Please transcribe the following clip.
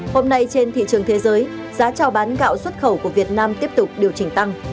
hôm nay trên thị trường thế giới giá trào bán gạo xuất khẩu của việt nam tiếp tục điều chỉnh tăng